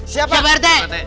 siapa pak rete